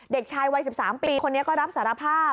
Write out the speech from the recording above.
เด็กชายวัย๑๓ปีคนนี้ก็รับสารภาพ